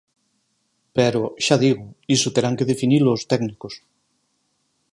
Pero, xa digo, iso terán que definilo os técnicos.